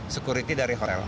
sekuriti dari hotel